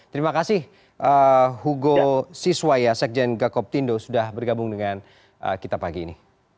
terima kasih hugo siswaya sekjen gakoptindo sudah bergabung dengan kita pagi ini